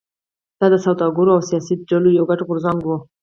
دا د سوداګرو او سیاسي ډلو یو ګډ غورځنګ و.